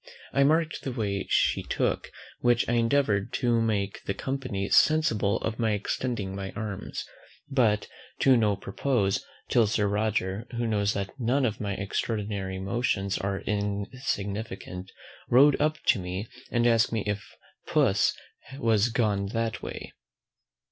I marked the way she took, which I endeavoured to make the company sensible of by extending my arms; but to no purpose, till Sir Roger, who knows that none of my extraordinary motions are insignificant, rode up to me, and asked me if PUSS was gone that way?